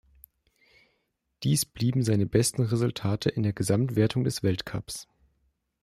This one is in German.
Dies blieben seine besten Resultate in den Gesamtwertungen des Weltcups.